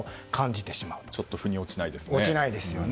ちょっと腑に落ちないですね。